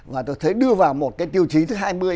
và tôi thấy đưa vào một cái tiêu chí thứ hai mươi